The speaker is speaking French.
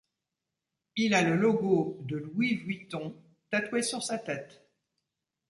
Il a le logo de Louis Vuitton tatoué sur sa tête.